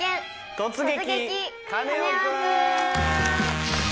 「突撃！